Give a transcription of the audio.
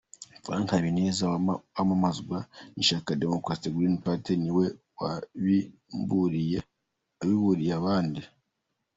Franck Habineza wamamazwa n'ishyaka Democratic Green Party ni we wabimburiye abandi.